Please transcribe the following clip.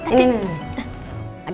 eh dah dicariin tuh tadi